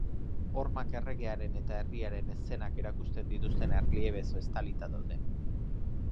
Hormak erregearen eta herriaren eszenak erakusten dituzten erliebez estalita daude.